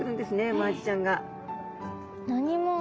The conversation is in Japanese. マアジちゃんが。